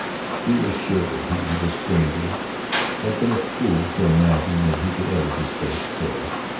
He was sure that he, the stranger, had been a fool to imagine that he could ever displace Phil.